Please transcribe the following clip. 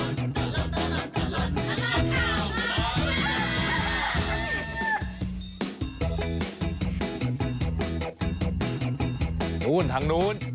นู่นทางนู้น